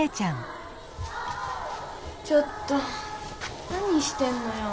ちょっと何してんのよ？